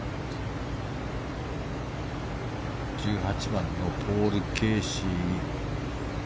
１８番のポール・ケーシー。